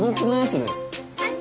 それ。